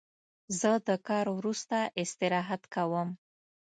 زه د کار وروسته استراحت کوم.